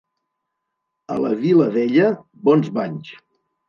A la Vilavella, bons banys.